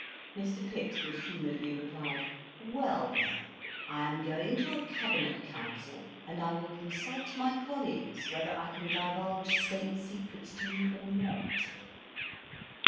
Mr. Pitt good humouredly replied: "Well, then, I am going to a Cabinet Council, and I will consult my colleagues whether I can divulge State secrets to you or not."